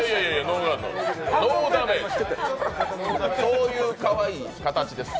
そういうかわいい形です